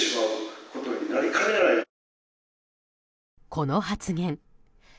この発言。